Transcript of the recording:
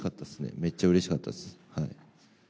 めっちゃうれしかったです。